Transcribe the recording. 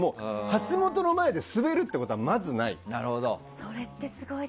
橋本の前でスベるってことはまずない。